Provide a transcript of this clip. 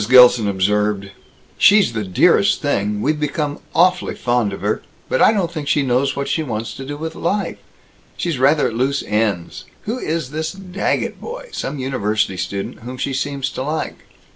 Gilson observed, "She's the dearest thing. We've become awfully fond of her. But I don't think she knows what she wants to do with life. She's rather at loose ends. Who is this Daggett boy some university student whom she seems to like?"